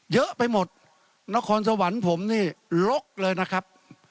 เยอะไปหมดนครสวรรค์ผมนี่ลกเลยนะครับ